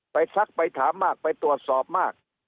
ซักไปถามมากไปตรวจสอบมาก